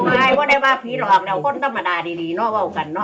ภาพก็ได้มาพีหลวกแล้วคนธรรมดาจริดดิน้อยลอวัวกันเนอะ